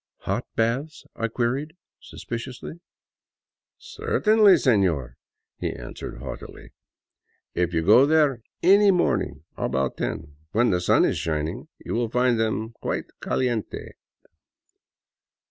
" Hot baths ?" I queried, suspiciously. " Certainly, sefior," he answered haughtily ;*' If you go there any morning about ten, when the sun is shining, you will find them quite caliente."